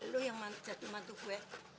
lu yang jadi mantu gue